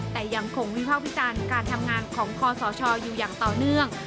แต่ยังคงวิภาควิจารณ์การทำงานของคอสชอยู่อย่างต่อเนื่อง